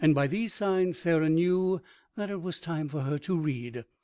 By these signs Sarah knew that it was time for her to read.